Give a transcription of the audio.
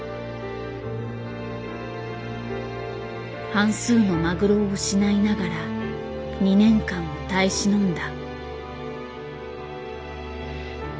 半数のマグロを失いながら２年間を耐え忍んだ。